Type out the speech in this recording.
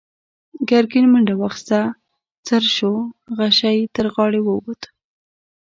ګرګين منډه واخيسته، څررر شو، غشۍ يې تر غاړې ووت.